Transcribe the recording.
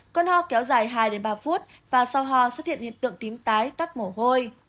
con ho kéo dài hai ba phút và sau ho xuất hiện hiện tượng tím tái tắt mổ hôi